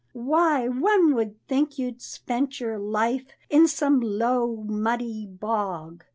"Why, one would think you'd spent your life In some low, muddy bog.